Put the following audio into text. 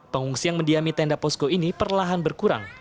pengungsi yang mendiami tenda posko ini perlahan berkurang